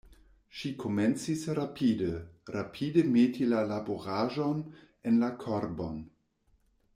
Ŝi komencis rapide, rapide meti la laboraĵon en la korbon.